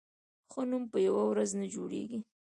ښه نوم په یوه ورځ نه جوړېږي.